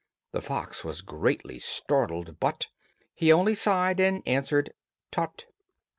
The fox was greatly startled, but He only sighed and answered "Tut."